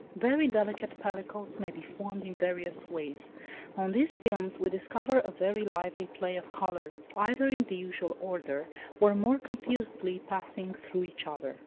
Very delicate pellicles may be formed in various ways: on these films we discover a very lively play of colours, either in the usual order, or more confusedly passing through each other.